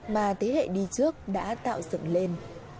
mà thế hệ đi trước đã tạo dựng lên